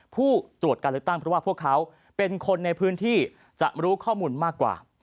ผู้ตรวจการเลือกตั้งเพราะว่าพวกเขาเป็นคนในพื้นที่จะรู้ข้อมูลมากกว่า